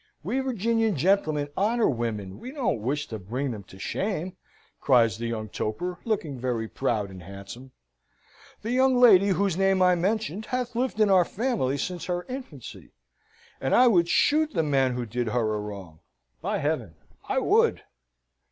We Virginian gentlemen honour women: we don't wish to bring them to shame," cries the young toper, looking very proud and handsome. "The young lady whose name I mentioned hath lived in our family since her infancy, and I would shoot the man who did her a wrong; by Heaven, I would!"